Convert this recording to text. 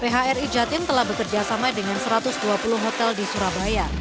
phri jatim telah bekerjasama dengan satu ratus dua puluh hotel di surabaya